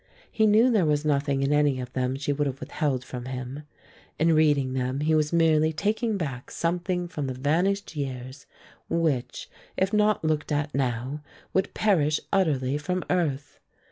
He knew there was nothing in any of them she would have withheld from him; in reading them he was merely taking back something from the vanished years which, if not looked at now, would perish utterly from earth.